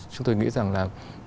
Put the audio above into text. chúng tôi nghĩ rằng là